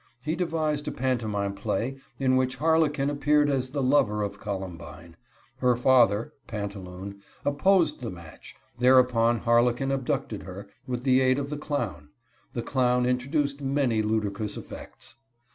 He devised a pantomime play in which Harlequin appeared as the lover of Colombine. Her father (Pantaloon) opposed the match; thereupon Harlequin abducted her, with the aid of the clown. The clown introduced many ludicrous effects.